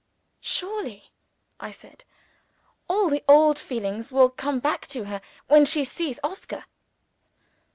"Surely," I said, "all the old feelings will come back to her when she sees Oscar?"